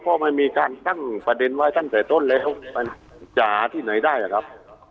เพราะมันมีการตั้งประเด็นไว้ตั้งแต่ต้นแล้วมันจะหาที่ไหนได้อะครับ